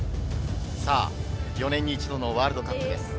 ４年に一度のワールドカップです。